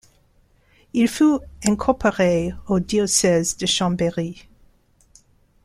Il fut incorporé au diocèse de Chambéry.